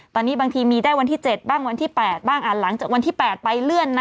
ตอนนี้บางทีมีได้วันที่๗บ้างวันที่๘บ้างหลังจากวันที่๘ไปเลื่อนนะ